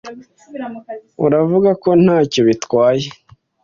Uravuga ko ntacyo bitwaye?